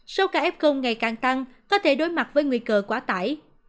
số ca f ngày càng tăng có thể đối mặt với nguy cơ quá tải